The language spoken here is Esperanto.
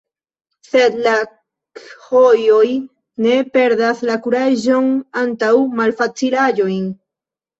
Sed la khojoj ne perdas la kuraĝon antaŭ malfacilaĵoj.